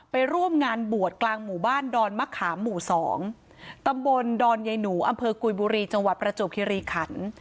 ไปร่วมงานบวชกลางหมู่บ้านดอนมะขามหมู่๒ตำบลดอนใยหนูอำเภอกุยบุรีจังหวัดประจวบคิริขัน